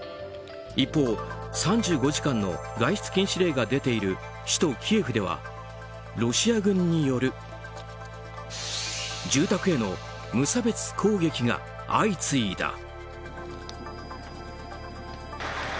一方３５時間の外出禁止令が出ている首都キエフではロシア軍による住宅への無差別攻撃が相次いだ。